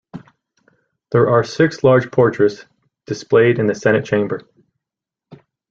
There are six large portraits displayed in the Senate Chamber.